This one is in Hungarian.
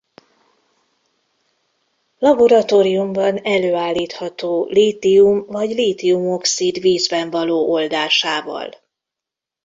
Laboratóriumban előállítható lítium vagy lítium-oxid vízben való oldásával.